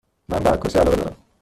من به عکاسی علاقه دارم.